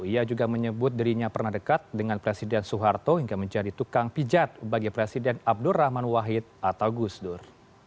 ia juga menyebut dirinya pernah dekat dengan presiden soeharto hingga menjadi tukang pijat bagi presiden abdurrahman wahid atau gusdur